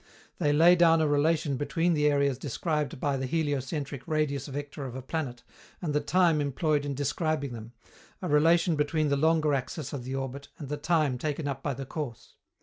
They lay down a relation between the areas described by the heliocentric radius vector of a planet and the time employed in describing them, a relation between the longer axis of the orbit and the time taken up by the course.